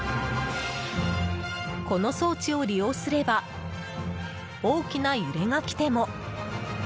この装置を利用すれば大きな揺れがきても。